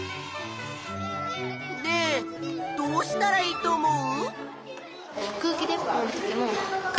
ねえどうしたらいいと思う？